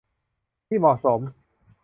ที่เหมาะสม